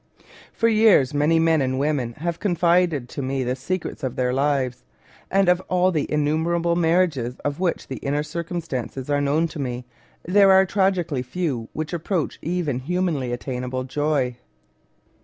For years many men and women have confided to me the secrets of their lives; and of all the innumer able marriages of which the inner circumstances arc known to me, there are tragically few which approach even humanly attainable joy.